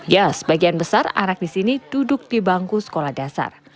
ya sebagian besar anak di sini duduk di bangku sekolah dasar